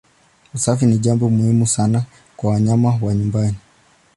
Usafi ni jambo muhimu sana kwa wanyama wa nyumbani.